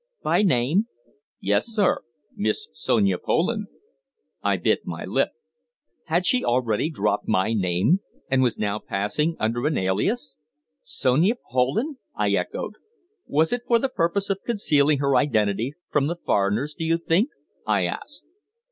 "By name?" "Yes, sir. Miss Sonia Poland." I bit my lip. Had she already dropped my name, and was now passing under an alias? "Sonia Poland!" I echoed. "Was it for the purpose of concealing her identity from the foreigners, do you think?" I asked.